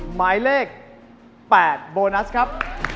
หมายเลข๘โบนัสครับ